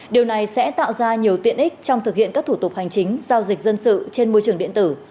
điều này sẽ tạo ra nhiều tiện ích trong thực hiện các thủ tục hành chính giao dịch dân sự trên môi trường điện tử